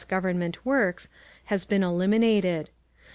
Government works has been eliminated.